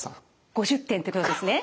５０点ってことですね。